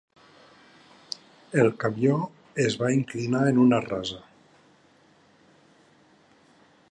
El camió es va inclinar en una rasa.